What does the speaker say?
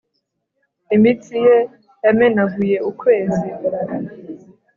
imitsi ye yamenaguye ukwezi,